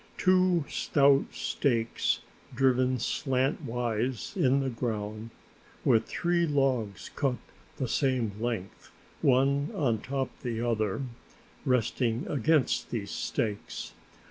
Two stout stakes driven slantwise in the ground with three logs cut the same length, one on top the other, resting against these stakes.